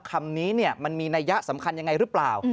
คำนี้มันมีนัยยะสำคัญยังไงหรือเปล่า